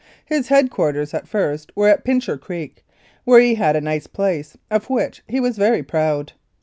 His head quarters at first were at Pincher Creek, where he had a nice place, of which he was very proud.